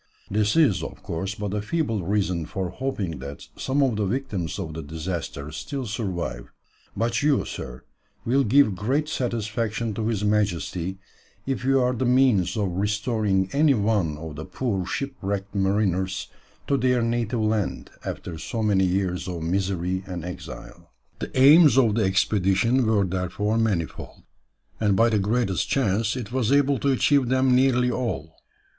This is, of course, but a feeble reason for hoping that some of the victims of the disaster still survive; but you, sir, will give great satisfaction to his Majesty, if you are the means of restoring any one of the poor shipwrecked mariners to their native land after so many years of misery and exile." The aims of the expedition were therefore manifold, and by the greatest chance it was able to achieve them nearly all.